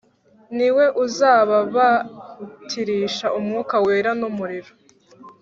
Ni we uzababatirisha Umwuka Wera n’umuriro,